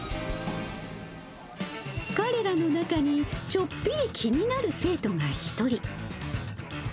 彼らの中に、ちょっぴり気になる生徒が１人。